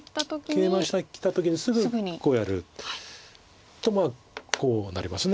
ケイマしてきた時にすぐこうやるとこうなります。